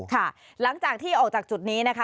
ค่ะหลังจากที่ออกจากจุดนี้นะคะ